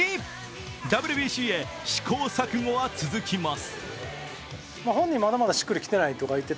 ＷＢＣへ、試行錯誤は続きます。